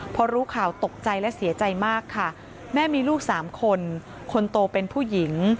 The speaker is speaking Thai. พอรู้ข่าวตกใจและเสียใจมากค่ะแม่มีลูกสามคนคนโตเป็นผู้หญิง